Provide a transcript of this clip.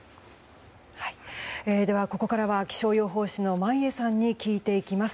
では、ここからは気象予報士の眞家さんに聞いていきます。